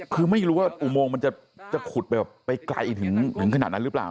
คือไม่รู้ว่าอุโมงมันจะขุดไปแบบไปไกลถึงขนาดนั้นหรือเปล่า